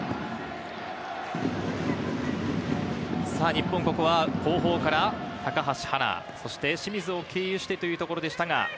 日本、ここは後方から高橋はな、清水を経由してというところでした。